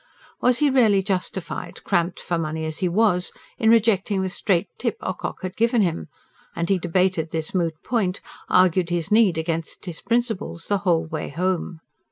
Was he really justified, cramped for money as he was, in rejecting the straight tip Ocock had given him? And he debated this moot point argued his need against his principles the whole way home.